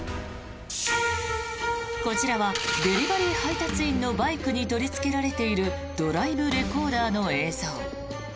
こちらはデリバリー配達員のバイクに取りつけられているドライブレコーダーの映像。